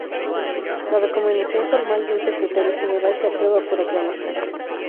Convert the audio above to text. La recomendación formal de un Secretario General se aprueba por aclamación.